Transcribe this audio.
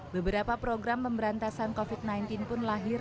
beberapa program pemberantasan covid sembilan belas pun lahir